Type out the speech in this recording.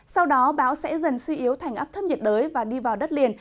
sau đó bão sẽ dần suy yếu thành áp thấp nhiệt đới và đi vào đất liền